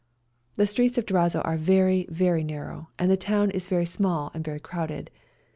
The streets of Durazzo are very, very narrow, and the town is very small and very crowded.